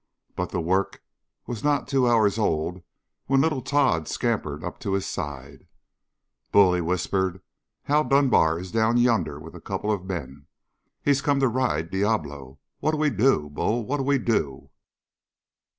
But the work was not two hours old when little Tod scampered up to his side. "Bull," he whispered, "Hal Dunbar is down yonder with a couple of men. He's come to ride Diablo. What'll we do, Bull? What'll we do?"